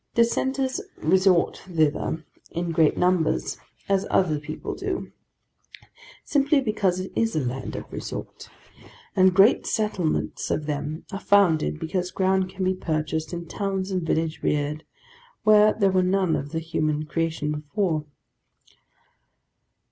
Dissenters resort thither in great numbers, as other people do, simply because it is a land of resort; and great settlements of them are founded, because ground can be purchased, and towns and villages reared, where there were none of the human creation before.